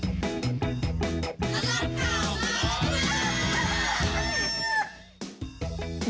อรับข่าวรับเวลา